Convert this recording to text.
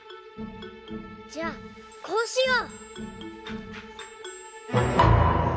じゃあこうしよう！